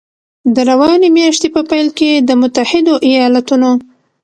د روانې میاشتې په پیل کې د متحدو ایالتونو